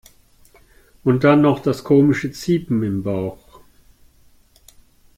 Und dann noch das komische Ziepen im Bauch.